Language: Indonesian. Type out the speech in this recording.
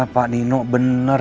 pak nino bener